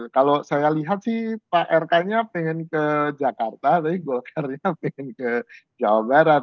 kalau saya lihat sih pak rk nya pengen ke jakarta tapi golkarnya pengen ke jawa barat